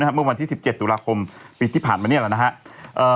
เมื่อวันที่๑๗ตุลาคมปีที่ผ่านมานี่แหละนะครับ